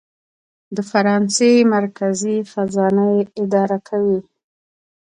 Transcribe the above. د فرانسې مرکزي خزانه یې اداره کوي.